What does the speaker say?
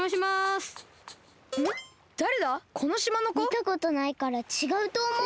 みたことないからちがうとおもう。